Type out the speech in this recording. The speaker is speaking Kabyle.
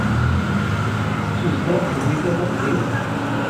Tettuzdeɣ tgemmi-ad taqdimt.